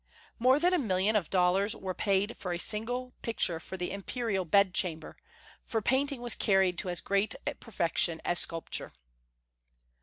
More than a million of dollars were paid for a single picture for the imperial bed chamber, for painting was carried to as great perfection as sculpture.